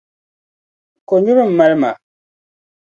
Konyuri m-mali ma.